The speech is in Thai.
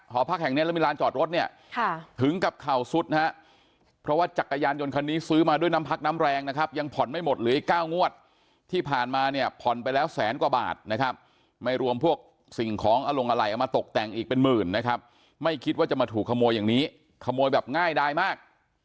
หอพักแห่งนี้แล้วมีร้านจอดรถเนี่ยถึงกับเข่าสุดนะฮะเพราะว่าจักรยานยนต์คันนี้ซื้อมาด้วยน้ำพักน้ำแรงนะครับยังผ่อนไม่หมดเหลืออีก๙งวดที่ผ่านมาเนี่ยผ่อนไปแล้วแสนกว่าบาทนะครับไม่รวมพวกสิ่งของอลงอะไรเอามาตกแต่งอีกเป็นหมื่นนะครับไม่คิดว่าจะมาถูกขโมยอย่างนี้ขโมยแบบง่ายดายมาก